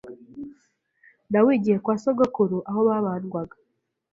nawigiye kwa sogokuru aho babandwaga